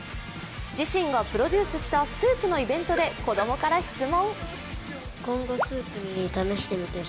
自身がプロデュースしたスープのイベントで子供から質問。